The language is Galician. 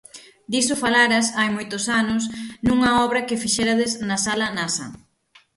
Diso falaras, hai moitos anos, nunha obra que fixerades na sala Nasa.